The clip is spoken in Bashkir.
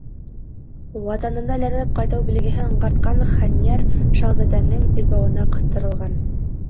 Ватанына әйләнеп ҡайтыу билгеһен аңғартҡан хәнйәр шаһзадәнең билбауына ҡыҫтырылған.